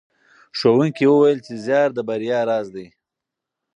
ښوونکي وویل چې زیار د بریا راز دی.